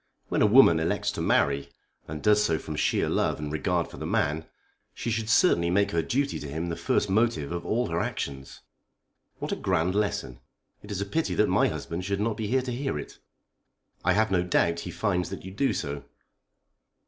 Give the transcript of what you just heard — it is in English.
When a woman elects to marry, and does so from sheer love and regard for the man, she should certainly make her duty to him the first motive of all her actions." "What a grand lesson! It is a pity that my husband should not be here to hear it." "I have no doubt he finds that you do so."